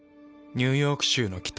ニューヨーク州の北。